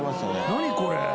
何これ！？